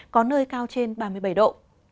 có nơi cao trên ba mươi bảy độ